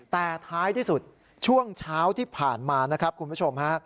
แต่ท้ายที่สุดช่วงเช้าที่ผ่านมานะครับคุณผู้ชมฮะ